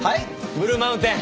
ブルーマウンテン。